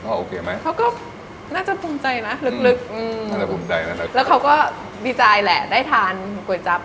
แล้วแม่ก็ดีใจแหละได้ทานก๋วยจับ